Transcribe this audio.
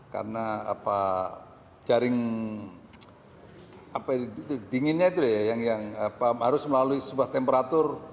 karena jaring dinginnya itu yang harus melalui sebuah temperatur